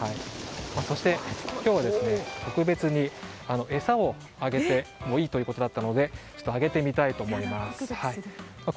そして、今日は特別に餌をあげてもいいということだったのであげてみたいと思います。